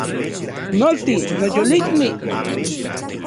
Nolti, noyolikni